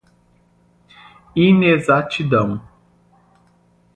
inexatidão